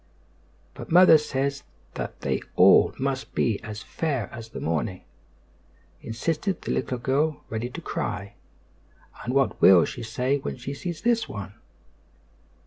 "But mother says that they all must be as fair as the morning," insisted the little girl, ready to cry. "And what will she say when she sees this one?"